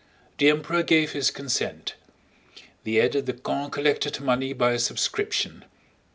The Emperor gave his consent. The aides de camp collected money by subscription.